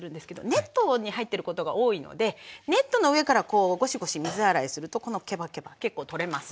ネットに入ってることが多いのでネットの上からゴシゴシ水洗いするとこのケバケバ結構取れます。